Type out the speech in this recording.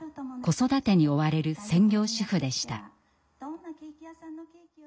子育てに追われる専業主婦でした。